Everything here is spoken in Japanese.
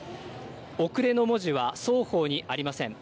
遅れの文字は双方にありません。